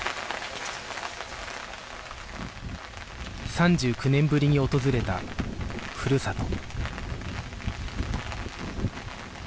３９年ぶりに訪れたふるさと